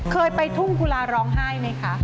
เคยไปทุ่งกุลาร้องไห้ไหมคะ